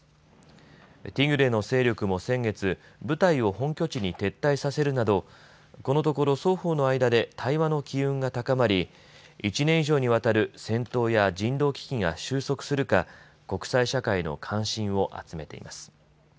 ティグレの勢力も先月、部隊を本拠地に撤退させるなどこのところ双方の間で対話の機運が高まり１年以上にわたる戦闘や人道危機が収束するか国際社会の関心を集めています。